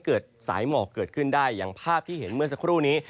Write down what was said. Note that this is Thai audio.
เกิดสายหมอกเกิดขึ้นได้อย่างภาพที่เห็นเมื่อสักครู่นี้